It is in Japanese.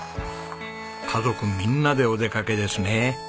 家族みんなでお出かけですね。